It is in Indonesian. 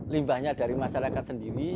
limbahnya dari masyarakat sendiri